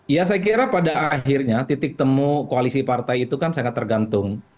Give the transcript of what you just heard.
ya saya kira pada akhirnya titik temu koalisi partai itu kan sangat tergantung